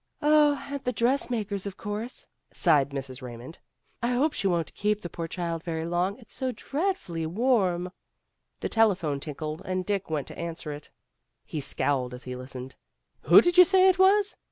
"Oh, at the dressmaker's of course," sighed Mrs. Eaymond. "I hope she won't keep the poor child very long. It's so dreadfully warm." The telephone tinkled, and Dick went to answer it. He scowled as he listened. "Who did you say it was?